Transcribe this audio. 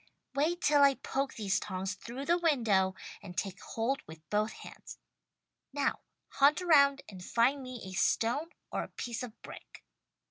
"Wait till I poke these tongs through the window and take hold with both hands. Now! Hunt around and find me a stone or a piece of brick."